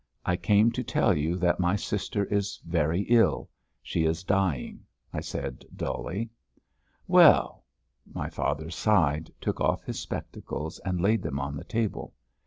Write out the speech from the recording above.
"I came to tell you that my sister is very ill. She is dying," I said dully. "Well?" My father sighed, took off his spectacles and laid them on the table.